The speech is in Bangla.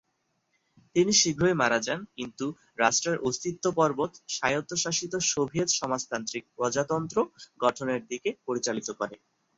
তিনি শীঘ্রই মারা যান কিন্তু রাষ্ট্রের অস্তিত্ব পর্বত স্বায়ত্তশাসিত সোভিয়েত সমাজতান্ত্রিক প্রজাতন্ত্র গঠনের দিকে পরিচালিত করে।